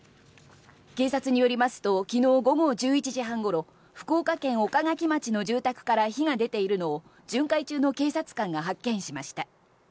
警察によりますときのう午後１１時半ごろ福岡県岡垣町の住宅から火が出ているのを巡回中の警察官が発見しました。